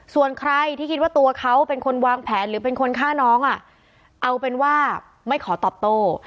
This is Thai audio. ส่วนใครที่คิดว่าตัวเขาเป็นคนวางแผนหรือเป็นคนฆ่าน้องอ่ะเอาเป็นว่าไม่ขอตอบโต้